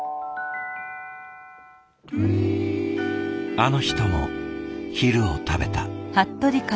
あの人も昼を食べた。